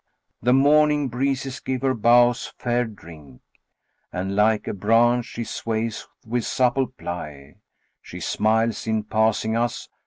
The morning breezes give her boughs fair drink, * And like a branch she sways with supple ply: She smiles in passing us.